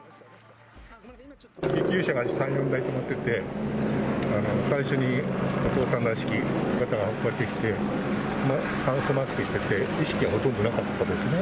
救急車が３、４台止まってて、最初にお父さんらしき方が運ばれてきて、酸素マスクしてて、意識はほとんどなかったですね。